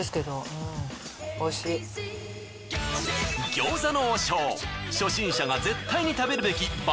餃子の王将初心者が絶対に食べるべき爆